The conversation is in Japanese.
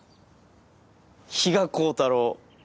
比嘉光太郎。